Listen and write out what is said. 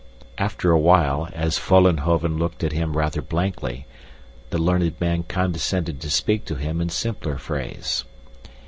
After a while, as Vollenhoven looked at him rather blankly, the learned man condescended to speak to him in simpler phrase.